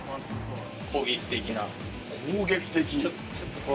攻撃的？